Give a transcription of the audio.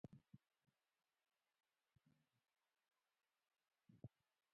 د غزني په واغظ کې د لیتیم نښې شته.